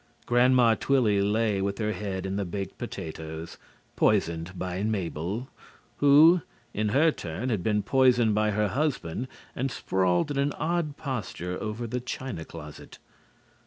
Grandma Twilly lay with her head in the baked potatoes, poisoned by Mabel, who, in her turn had been poisoned by her husband and sprawled in an odd posture over the china closet.